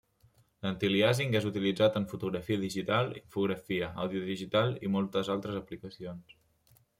L'Antialiàsing és utilitzat en fotografia digital, infografia, àudio digital, i moltes altres aplicacions.